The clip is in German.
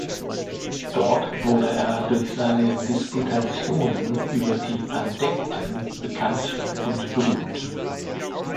Dort wurde er durch seine Disputationen über die Pandekten bekannt und berühmt.